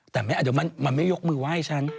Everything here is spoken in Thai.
แต่มันไม่ยกมือไหว้ฉัน